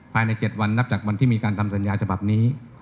ภายใน๗วันนับจากวันที่มีการทำสัญญาฉบับนี้